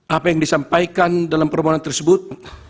apa yang disampaikan dalam permohonan tersebut